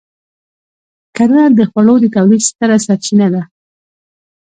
کرنه د خوړو د تولید ستره سرچینه ده.